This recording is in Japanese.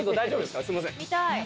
すいません。